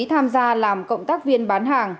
tham gia làm cộng tác viên bán hàng